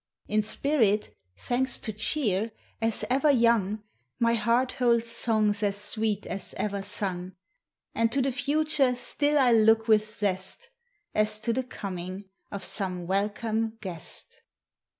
In spirit, thanks to Cheer, as ever young, My heart holds songs as sweet as ever sung, And to the future still I look with zest As to the coming of some welcome guest.